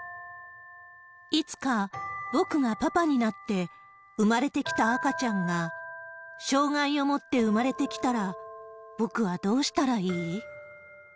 いつか僕がパパになって、生まれてきた赤ちゃんが障害を持って生まれてきたら、僕はどうしたらいい？